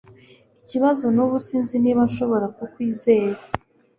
Ikibazo nubu sinzi niba nshobora kukwizera